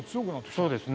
そうですね。